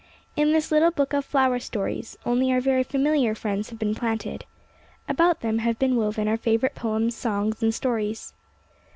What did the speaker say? In this little book of " Flower Stories," only our very familiar friends have been planted. About them have been woven our favourite poems, songs, and stories.